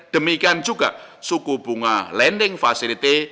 demikian juga suku bunga lending facility